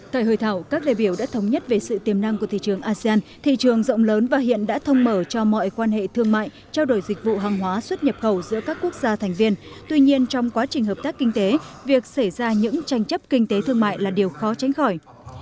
tại hội thảo các đại biểu đã thống nhất về sự tiềm năng của thị trường asean thị trường rộng lớn và hiện đã thông mở cho mọi quan hệ thương mại trao đổi dịch vụ hàng hóa xuất nhập khẩu giữa các quốc gia thành viên tuy nhiên trong quá trình hợp tác kinh tế việc xảy ra những tranh chấp kinh tế thương mại là điều khó tránh khỏi